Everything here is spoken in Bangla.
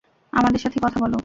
আমাদের সাথে কথা বলো!